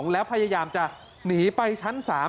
แล้วพยายามจะหนีไปชั้น๓